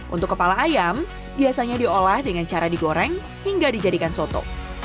untuk kepala ayam biasanya diolah dengan cara digoreng hingga dijadikan soto